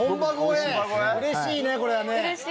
うれしいねこれはね。